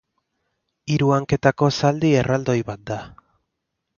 Hiru hanketako zaldi erraldoi bat da.